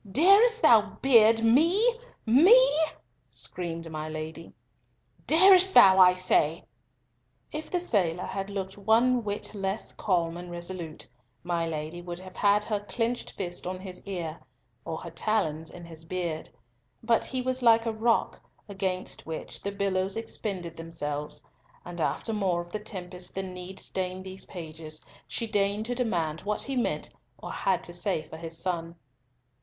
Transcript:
Darest thou beard me—me?" screamed my Lady. "Darest thou—I say—" If the sailor had looked one whit less calm and resolute, my Lady would have had her clenched fist on his ear, or her talons in his beard, but he was like a rock against which the billows expended themselves, and after more of the tempest than need stain these pages, she deigned to demand what he meant or had to say for his son.